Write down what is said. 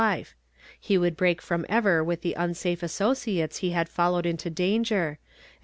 fe; he would break forever wi, , the „n a fe a ocates he had followed i„to dangc,, ana!